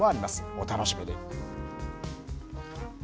お楽しみに。